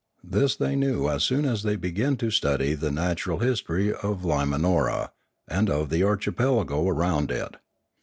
This they knew as soon as they began to study the natural history of Limanora and of the archipelago around it.